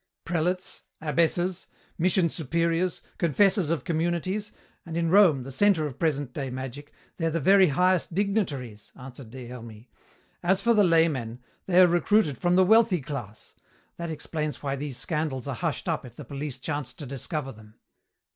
"Prelates, abbesses, mission superiors, confessors of communities; and in Rome, the centre of present day magic, they're the very highest dignitaries," answered Des Hermies. "As for the laymen, they are recruited from the wealthy class. That explains why these scandals are hushed up if the police chance to discover them.